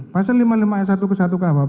pasal lima puluh lima s satu ke satu kuhp